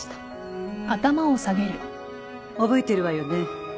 覚えてるわよね？